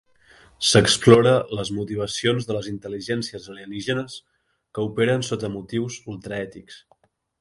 S'explora les motivacions de les intel·ligències alienígenes que operen sota motius ultraètics.